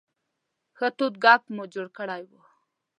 ښه تود ګپ مو جوړ کړی و.